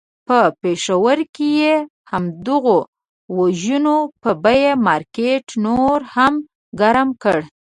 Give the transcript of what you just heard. په پېښور کې یې د همدغو وژنو په بیه مارکېټ نور هم ګرم کړ.